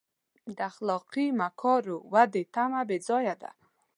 د اخلاقي مکارمو ودې تمه بې ځایه ده.